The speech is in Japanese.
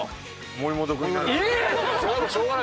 森本君が。